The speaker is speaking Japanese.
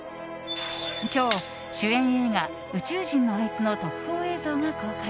今日、主演映画「宇宙人のあいつ」の特報映像が公開。